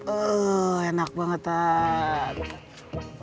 ehh enak banget ustadz